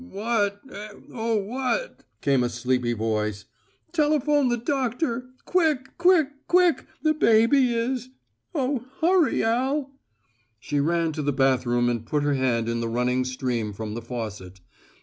"What eh, oh, what?" came a sleepy voice. "Telephone the doctor, quick, quick, quick, the baby is Oh, hurry, Al." She ran to the bathroom and put her hand in the running stream from the faucet.